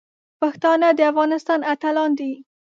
پښتانه د افغانستان اتلان دي.